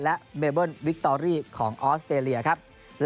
และเบเบิ้ลวิคตอรี่ของออสเตรเลียครับ